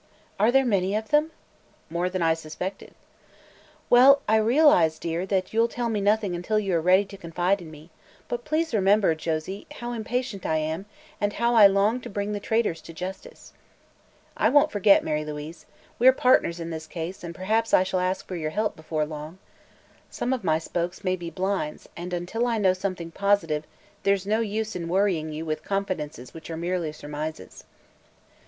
"Are there many of them?" "More than I suspected." "Well, I realize, dear, that you'll tell me nothing until you are ready to confide in me; but please remember, Josie, how impatient I am and how I long to bring the traitors to justice." "I won't forget, Mary Louise. We're partners in this case and perhaps I shall ask your help, before long. Some of my spokes may be blinds and until I know something positive there's no use in worrying you with confidences which are merely surmises."